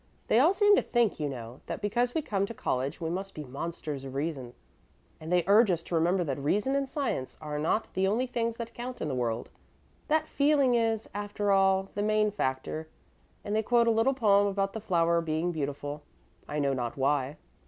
They all seem to think, you know, that because we come to college we must be monsters of reason, and they urge us to remember that reason and science are not the only things that count in the world that feeling is, after all, the main factor; and they quote a little poem about the flower being beautiful, I know not why.